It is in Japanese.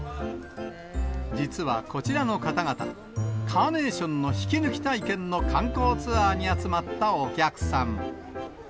実はこちらの方々、カーネーションの引き抜き体験の観光ツアーに集まったお客さん。